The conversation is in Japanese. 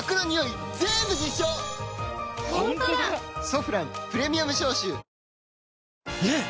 「ソフランプレミアム消臭」ねえ‼